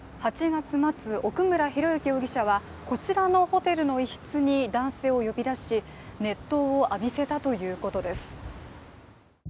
８月末、奥村啓志容疑者はこちらのホテルの一室に男性を呼び出し熱湯を浴びせたということです。